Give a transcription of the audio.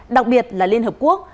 đặc biệt là liên hợp quốc